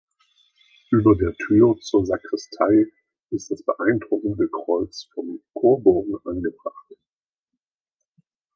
Über der Tür zur Sakristei ist das beeindruckende Kreuz vom Chorbogen angebracht.